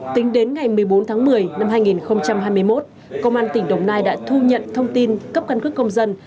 tính đến ngày một mươi bốn tháng một mươi năm hai nghìn hai mươi một công an tỉnh đồng nai đã thu nhận thông tin cấp căn cước công dân